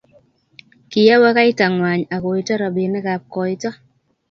Kiawe kaitang'wany akoito robinikab koito